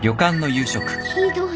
ひどい。